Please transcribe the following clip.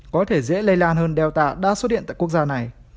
có thể dễ lây lan hơn delta đã xuất hiện tại quốc gia này